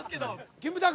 キムタク。